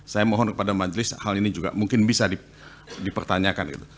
saya mohon kepada majelis hal ini juga mungkin bisa dipertanyakan gitu